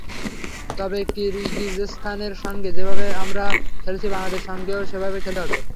তবে কিরগিজস্তানের সঙ্গে যেভাবে আমরা খেলেছি বাংলাদেশের সঙ্গেও সেভাবেই খেলতে হবে।